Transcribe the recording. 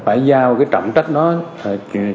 phải giao trọng trách đó cho họ không nên dùng những sức mạnh